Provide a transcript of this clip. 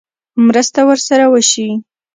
مرسته ورسره وشي.